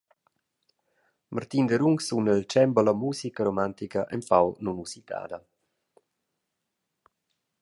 Martin Derungs suna sil cembalo musica romantica empau nunusitada.